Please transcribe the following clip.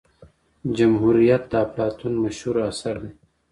جمهور د افلاطون مشهور اثر دی.